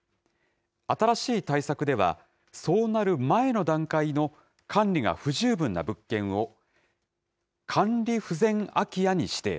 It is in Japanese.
新しい対策では、そうなる前の段階の管理が不十分な物件を、管理不全空き家に指定。